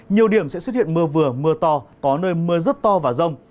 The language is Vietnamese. nhiều điểm sẽ xuất hiện mưa vừa mưa to có nơi mưa rất to và rông